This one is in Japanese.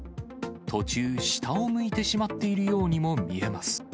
途中、下を向いてしまっているようにも見えます。